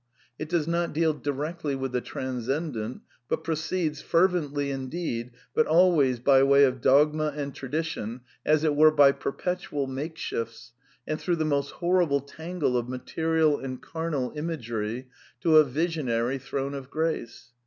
. It does not deal directly with the Transcendent, but pro ^^7 \ ceeds, fervently indeed, but always by way of dogma and^T^/V'Y^ tradition, as it were by perpetual makeshifts, and through | the most horrible tangle of material and carnal imagery, to a visionary Throne of Grace.